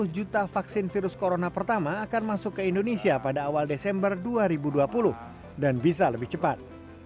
satu ratus juta vaksin virus corona pertama akan masuk ke indonesia pada awal desember dua ribu dua puluh dan bisa lebih cepat